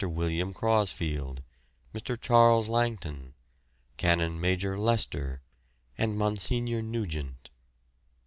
William Crosfield, Mr. Charles Langton, Canon Major Lester, and Monsignor Nugent.